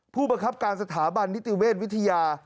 ผู้บังคับการสถาบันนิติเวชวิทยา